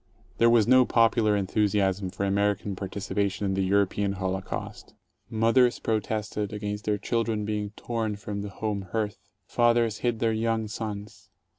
There was no popular enthusiasm for American partici pation in the European holocaust. Mothers protested against their children being torn from the home hearth; fathers hid their young sons.